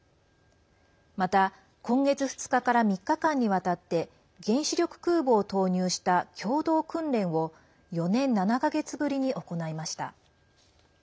また、今月２日から３日間にわたって原子力空母を投入した共同訓練を４年７か月ぶりに行いました。